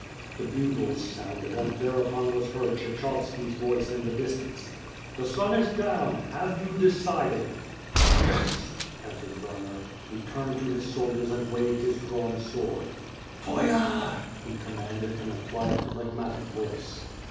The bugles sounded and* thereupon was heard Kshechov ski's voice in the distance: "The sun is down! Have you decided?" "Yes," answered Werner — he turned to his soldiers and waved his drawn sword. "Feuer!" he commanded, in a quiet, phlegmatic voice.